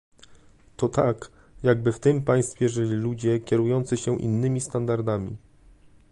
To tak, jakby w tym państwie żyli ludzie kierujący się innymi standardami